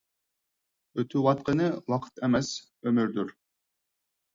ئۆتۈۋاتقىنى ۋاقىت ئەمەس، ئۆمۈردۇر.